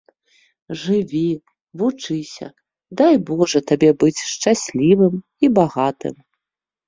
Жыві, вучыся, дай божа табе быць шчаслівым і багатым.